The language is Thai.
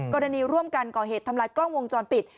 ร่วมกันก่อเหตุทำลายกล้องวงจรปิด